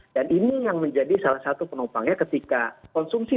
dan ini yang menjadi salah satu penopangnya ketika konsumsi